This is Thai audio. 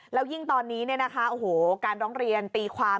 แล้วยิ่งตอนนี้เนี่ยนะคะโอ้โหการร้องเรียนตีความ